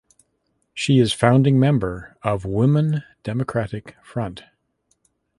She is founding member of Women Democratic Front.